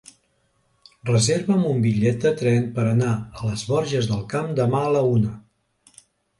Reserva'm un bitllet de tren per anar a les Borges del Camp demà a la una.